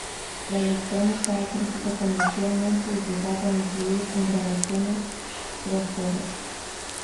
La electrónica ha crecido comercialmente y llegado a influir en grabaciones crossover.